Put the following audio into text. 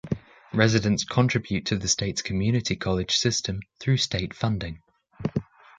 Residents contribute to the state's community college system through state funding.